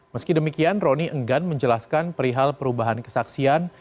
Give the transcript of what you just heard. meski demikian roni enggan menjelaskan perihal perubahan kesaksian